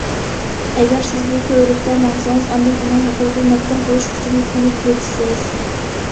ئەگەر سىز بۇ كۆۋرۈكتە ماڭسىڭىز ئاندىن ئۇنىڭ ھەقىقىي« مەپتۇن قىلىش» كۈچىنى تونۇپ يېتىسىز.